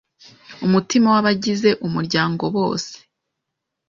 umutima w’abagize umuryango bose